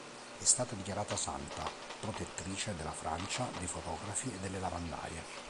È stata dichiarata santa protettrice della Francia, dei fotografi, e delle lavandaie.